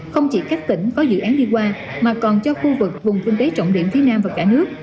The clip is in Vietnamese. không chỉ các tỉnh có dự án đi qua mà còn cho khu vực vùng kinh tế trọng điểm phía nam và cả nước